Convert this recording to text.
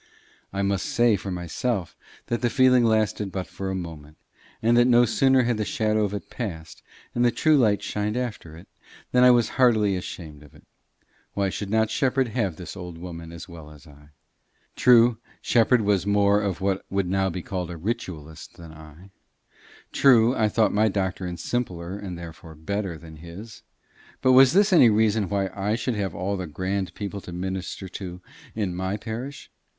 I must say for myself that the feeling lasted but for a moment, and that no sooner had the shadow of it passed and the true light shined after it, than I was heartily ashamed of it. Why should not Shepherd have the old woman as well as I? True, Shepherd was more of what would now be called a ritualist than I; true, I thought my doctrine simpler and therefore better than his; but was this any reason why I should have all the grand people to minister to in my parish!